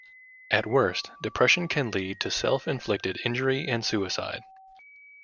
At worst, depression can lead to self-inflicted injury and suicide.